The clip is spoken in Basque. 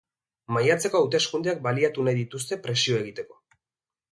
Maiatzeko hauteskundeak baliatu nahi dituzte presio egiteko.